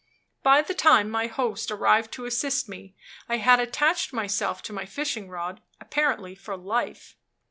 By the time my host arrived to assist me, I had attached myself to my fishing rod, apparently for life.